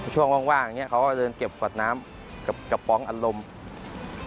ช่วงว่างเขาก็เดินเก็บกวดน้ำกระป๋องอารมณ์